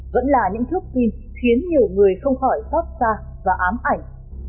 vẫn là những thước phim khiến nhiều người không khỏi xót xa và ám ảnh